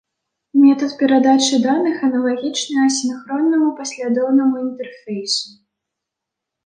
Метад перадачы даных аналагічны асінхроннаму паслядоўнаму інтэрфейсу.